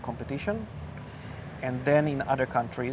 dan kemudian di negara lain